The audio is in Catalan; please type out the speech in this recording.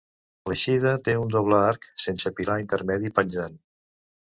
L'eixida té un doble arc sense pilar intermedi penjant.